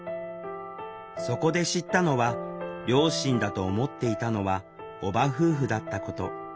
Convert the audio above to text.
そこで知ったのは両親だと思っていたのは叔母夫婦だったこと。